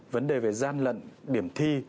vấn đề về gian lận điểm thi